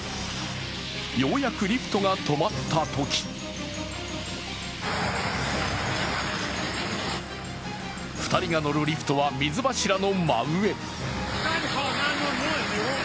ようやくリフトが止まったとき、２人が乗るリフトは水柱の真上。